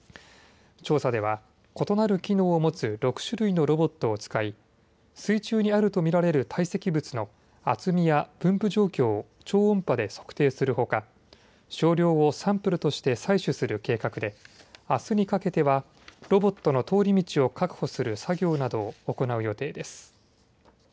調査では異なる機能を持つ６種類のロボットを使い水中にあると見られる堆積物の厚みや分布状況を超音波で測定するほか少量をサンプルとして採取する計画であすにかけてはロボットの通り道を確保する作業などを行う予定です。